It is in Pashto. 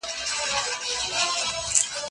زه مخکي سبزېجات وچولي وو.